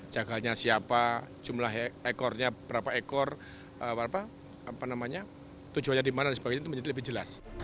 jaganya siapa jumlah ekornya berapa ekor tujuannya di mana itu menjadi lebih jelas